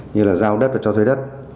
như là giao đất và cho thuê đất